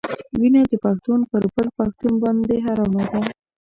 وینه د پښتون پر بل پښتون باندې حرامه ده.